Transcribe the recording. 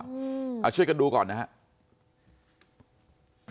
อืมเอาช่วยกันดูก่อนนะฮะ